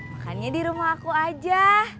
makannya di rumah aku aja